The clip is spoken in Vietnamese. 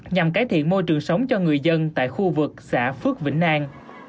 nhằm cải thiện môi trường sống cho người dân tại khu vực xã phước vĩnh an